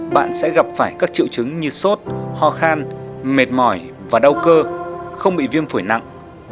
bạn sẽ gặp phải các triệu chứng như sốt ho khan mệt mỏi và đau cơ không bị viêm phổi nặng